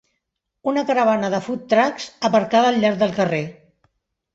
Una caravana de food trucks aparcada al llarg del carrer.